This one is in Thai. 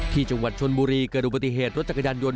ที่จังหวัดชนบุรีเกิดอุบัติเหตุรถจักรยานยนต